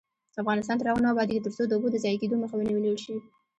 افغانستان تر هغو نه ابادیږي، ترڅو د اوبو د ضایع کیدو مخه ونیول نشي.